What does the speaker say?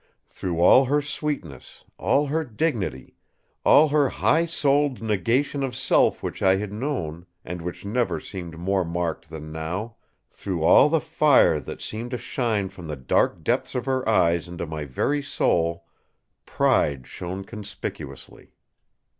Through all her sweetness, all her dignity, all her high souled negation of self which I had known, and which never seemed more marked than now—through all the fire that seemed to shine from the dark depths of her eyes into my very soul, pride shone conspicuously.